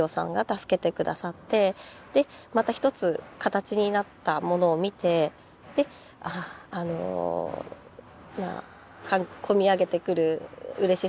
でまた一つ形になったものを見てであのまあこみ上げてくる嬉しさだったり。